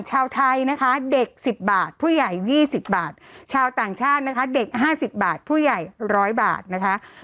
ชาวไทยนะคะเด็ก๑๐บาทผู้ใหญ่๒๐บาทชาวต่างชาตินะคะเด็ก๕๐บาทผู้ใหญ่๑๐๐บาทนะคะ